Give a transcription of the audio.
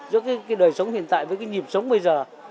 giữa cái đời sống hiện tại với cái nhịp sống bây giờ